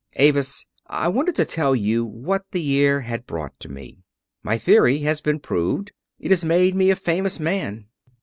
Avis, I wanted to tell you what the year had brought to me. My theory has been proved; it has made me a famous man.